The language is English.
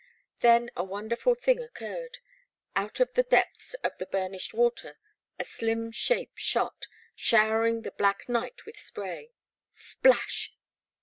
Then a wonderful thing occurred. Out of the depths of the burnished water a slim shape shot, showering the black night with spray. Splash!